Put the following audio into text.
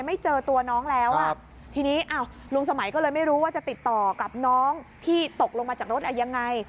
ไม่เจอตัวน้องแล้วอ่ะทีนี้อ้าวลุงสมัยก็เลยไม่รู้ว่าจะติดต่อกับน้องที่ตกลงมาจากรถยังไง